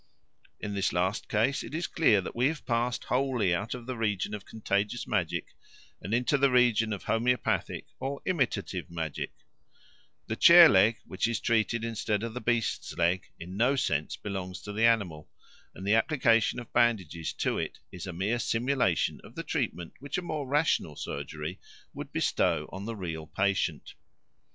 In this last case it is clear that we have passed wholly out of the region of contagious magic and into the region of homoeopathic or imitative magic; the chair leg, which is treated instead of the beast's leg, in no sense belongs to the animal, and the application of bandages to it is a mere simulation of the treatment which a more rational surgery would bestow on the real patient.